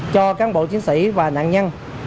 cho cán bộ chiến sĩ và nạn nhân